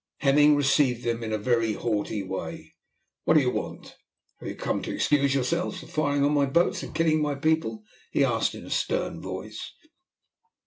Hemming received them in a very haughty way. "What is it you want? Have you come to excuse yourselves for firing on my boats and killing my people?" he asked in a stern voice.